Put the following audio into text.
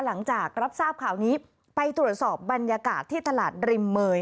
หลังจากรับทราบข่าวนี้ไปตรวจสอบบรรยากาศที่ตลาดริมเมย